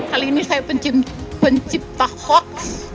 kali ini saya pencipta hoax